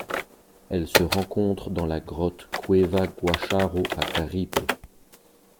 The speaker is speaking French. Elle se rencontre dans la grotte Cueva Guacharo à Caripe.